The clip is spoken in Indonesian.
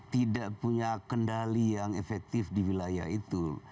tidak punya kendali yang efektif di wilayah itu